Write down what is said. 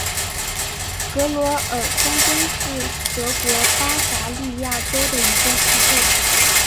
格罗尔芬根是德国巴伐利亚州的一个市镇。